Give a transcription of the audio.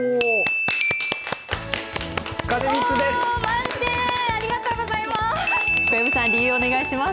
満点、ありがとうございます。